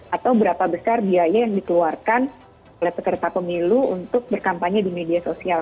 atau berapa besar biaya yang dikeluarkan oleh peserta pemilu untuk berkampanye di media sosial